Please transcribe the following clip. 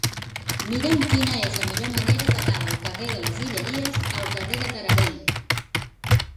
Mira'm quina és la millor manera d'anar del carrer de les Guilleries al carrer de Taradell.